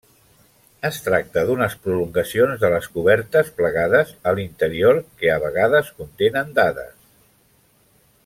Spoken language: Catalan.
Es tracta d'unes prolongacions de les cobertes plegades a l'interior, que a vegades contenen dades.